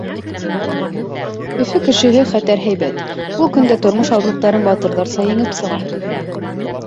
Өфө кешеһе хәтәр һәйбәт. Ул көн дә тормош ауырлыҡтарын батырҙарса еңеп сыға.